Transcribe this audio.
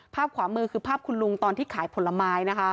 ขวามือคือภาพคุณลุงตอนที่ขายผลไม้นะคะ